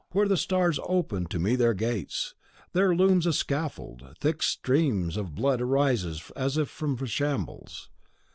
Where the stars opened to me their gates, there looms a scaffold, thick steams of blood rise as from a shambles.